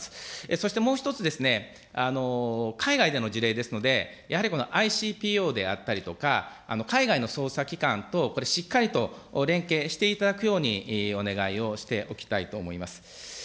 そしてもう一つですね、海外での事例ですので、やはりこのＩＣＰＯであったりとか、海外の捜査機関としっかりと連携していただくようにお願いをしておきたいと思います。